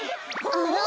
あら？